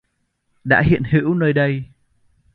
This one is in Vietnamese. Đã hiện hữu nơi đây.